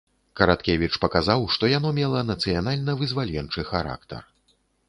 Караткевіч паказаў, што яно мела нацыянальна-вызваленчы характар.